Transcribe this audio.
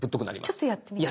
ちょっとやってみていい？